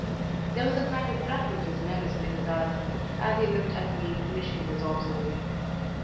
There was a kind of gratuitous menace in his eye as he looked at me in finishing this observation.